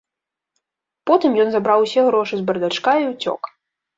Потым ён забраў усе грошы з бардачка і ўцёк.